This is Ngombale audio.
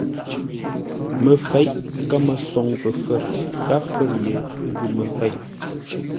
Məfeʼ kəmə soŋ pəfə̌r gháp fə̌r ye ghʉ məfeʼ.